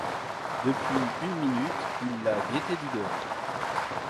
Depuis une minute, il la guettait du dehors.